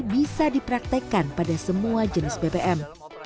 bisa dipraktekkan pada semua jenis bbm